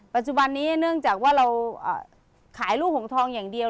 ปัจจุบันนี้เนื่องจากว่าเราขายลูกหงทองอย่างเดียว